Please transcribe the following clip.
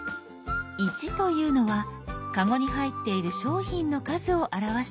「１」というのはカゴに入っている商品の数を表しています。